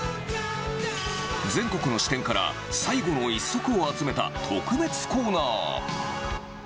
全国の支店から最後の１足を集めた特別コーナー。